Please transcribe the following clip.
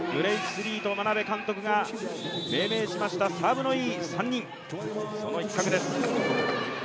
スリーと眞鍋監督が命名しましたサーブのいい３人、その一角です。